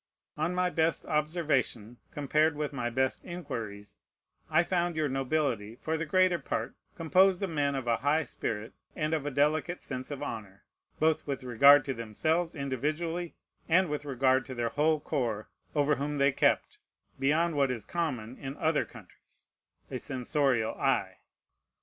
On my best observation, compared with my best inquiries, I found your nobility for the greater part composed of men of a high spirit, and of a delicate sense of honor, both with regard to themselves individually, and with regard to their whole corps, over whom they kept, beyond what is common in other countries, a censorial eye.